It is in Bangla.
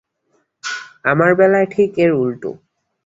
আমার বেলায় ঠিক এর উল্টো।